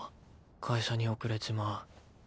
会社に遅れちまう。